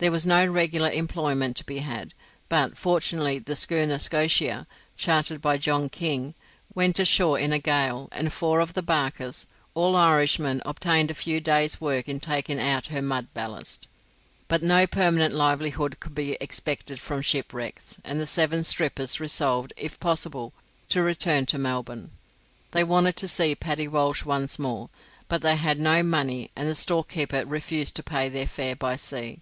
There was no regular employment to be had, but fortunately the schooner 'Scotia', chartered by John King, went ashore in a gale, and four of the barkers, all Irishmen obtained a few days' work in taking out her mud ballast. But no permanent livelihood could be expected from shipwrecks, and the seven strippers resolved, if possible, to return to Melbourne. They wanted to see Paddy Walsh once more, but they had no money, and the storekeeper refused to pay their fare by sea.